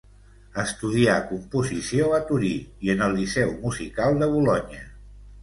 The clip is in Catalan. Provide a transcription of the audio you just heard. Estudià composició a Torí i en el Liceu Musical de Bolonya.